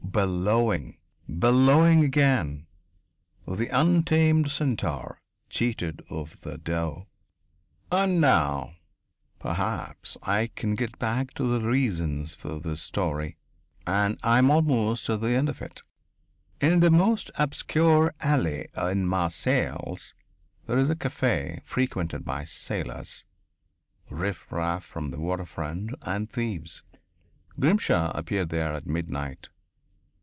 Bellowing. Bellowing again the untamed centaur cheated of the doe! And now, perhaps, I can get back to the reasons for this story. And I am almost at the end of it.... In the most obscure alley in Marseilles there is a caf frequented by sailors, riff raff from the waterfront and thieves. Grimshaw appeared there at midnight.